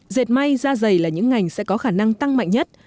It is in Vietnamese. dệt may da dày là những ngành sẽ có khả năng tăng mạnh nhất